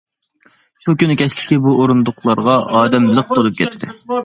شۇ كۈنى كەچلىكى بۇ ئورۇندۇقلارغا ئادەم لىق تولۇپ كەتتى.